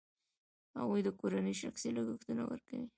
هغه د کورنۍ شخصي لګښتونه ورکوي